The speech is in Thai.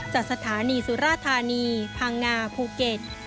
จากสถานีสุราธานีพังงาภูเก็ต